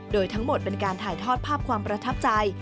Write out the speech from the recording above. โดยทั้งหมดเป็นการถ่ายทอดภาพความประทับใจ